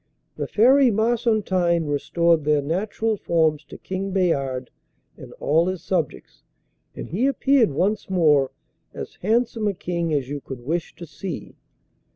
The Fairy Marsontine restored their natural forms to King Bayard and all his subjects, and he appeared once more as handsome a king as you could wish to see.